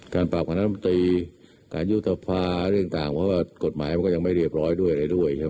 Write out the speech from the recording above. การปรับขนาดมตรีการยุทธภาเรื่องต่างเพราะว่ากฎหมายมันก็ยังไม่เรียบร้อยด้วยเลยด้วยใช่ไหม